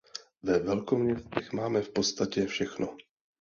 Ve velkoměstech máme v podstatě všechno.